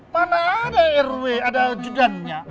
mana ada rw ada judannya